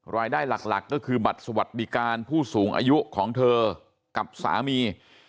รายได้หลักก็คือบัตรสวัสดิการผู้สูงอายุของเธอกับสามี